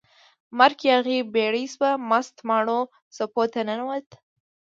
مرک یاغي بیړۍ شوه، مست ماڼو څپو ته ننووت